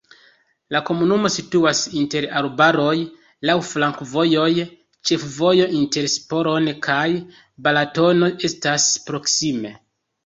La komunumo situas inter arbaroj, laŭ flankovojoj, ĉefvojo inter Sopron kaj Balatono estas proksime.